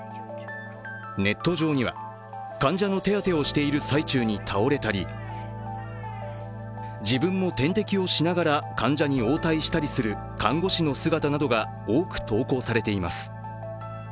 ネット上には、患者の手当てをしている最中に倒れたり自分も点滴をしながら患者に応対したりする看護師の姿などが多く投稿されています。